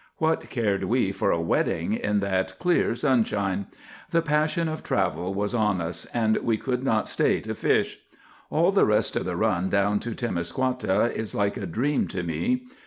What cared we for a wetting in that clear sunshine? The passion of travel was on us, and we could not stay to fish. All the rest of the run down to Temiscouata is like a dream to me.